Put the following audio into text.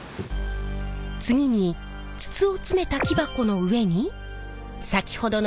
次に筒を詰めた木箱の上に先ほどの木枠を載せて。